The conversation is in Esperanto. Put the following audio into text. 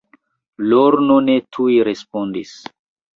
Lorno ne tuj respondis.